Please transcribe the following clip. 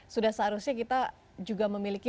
sudah seharusnya kita juga memiliki